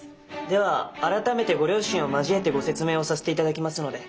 では改めてご両親を交えてご説明をさせていただきますので。